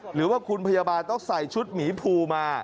หรือว่าคุณพยาบาลต้องใส่ชุดหมีภูมา